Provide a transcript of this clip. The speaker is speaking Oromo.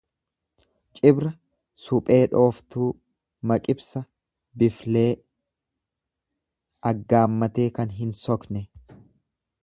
Cibra suphee dhooftuu. Maqibsa biflee, aggaammatee kan hin sokne.